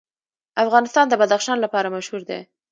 افغانستان د بدخشان لپاره مشهور دی.